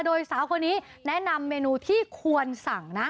โดยสาวคนนี้แนะนำเมนูที่ควรสั่งนะ